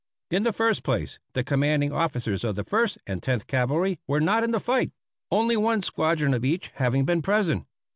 In the first place, the commanding officers of the First and Tenth Cavalry were not in the fight only one squadron of each having been present.